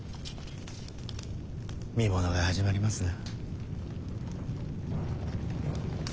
見ものが始まりますな。